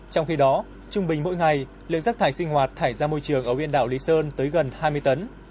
trong khi đó trung bình mỗi ngày lượng rác thải sinh hoạt thải ra môi trường ở biên đảo lý sơn tới gần hai mươi tấn